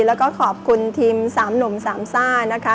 และขอบคุณทีมสามหนุ่มสามซ่า